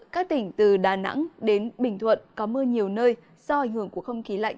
các tỉnh từ đà nẵng đến bình thuận có mưa nhiều nơi do ảnh hưởng của không khí lạnh